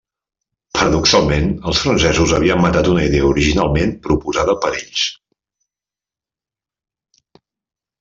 Paradoxalment, els francesos havien matat una idea originalment proposada per ells.